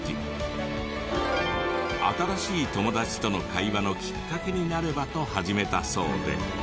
新しい友達との会話のきっかけになればと始めたそうで。